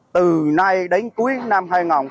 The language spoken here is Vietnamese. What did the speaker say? từ nay đến cuối năm hai nghìn hai mươi